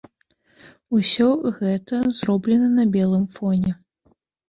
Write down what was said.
Усё гэта зроблена на белым фоне.